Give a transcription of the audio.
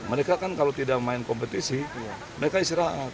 mereka kan kalau tidak main kompetisi mereka istirahat